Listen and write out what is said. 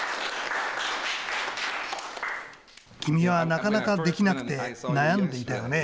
君はなかなか出来なくて悩んでいたよね。